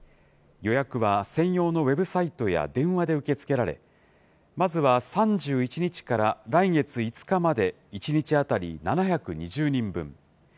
予約は専用のウェブサイトや電話で受け付けられ、まずは３１日から来月５日まで、１日当たり７２０人分。